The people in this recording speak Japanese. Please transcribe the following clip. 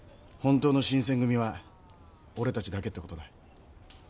本当の新選組は俺たちだけって事だ。